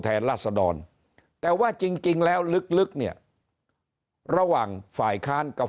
ราศดรแต่ว่าจริงแล้วลึกเนี่ยระหว่างฝ่ายค้านกับ